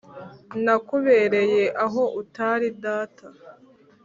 nakubereye aho utari data,